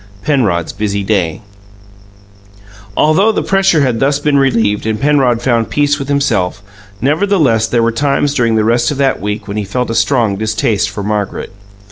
PENROD'S BUSY DAY Although the pressure had thus been relieved and Penrod found peace with himself, nevertheless there were times during the rest of that week when he felt a strong distaste for Margaret.